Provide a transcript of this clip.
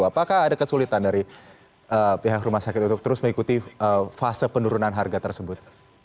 apakah ada kesulitan dari pihak rumah sakit untuk terus mengikuti fase penurunan harga tersebut